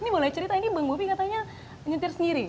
ini boleh cerita ini bang bobi katanya nyetir sendiri